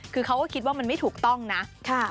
คือเขาก็คิดว่ามันไม่ถูกต้องนะ